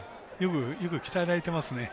よく鍛えられてますね。